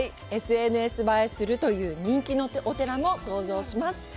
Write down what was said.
ＳＮＳ映えするという人気のお寺も登場します。